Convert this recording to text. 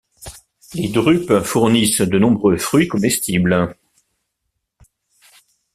Les drupes fournissent de nombreux fruits comestibles.